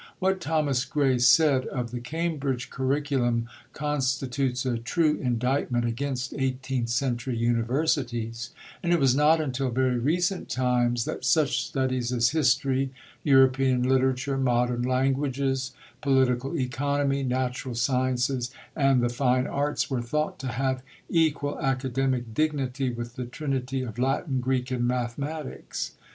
What Thomas Gray said of the Cambridge curriculum constitutes a true indictment against eighteenth century universities; and it was not until very recent times that such studies as history, European literature, modern languages, political economy, natural sciences, and the fine arts were thought to have equal academic dignity with the trinity of Latin, Greek, and mathematics.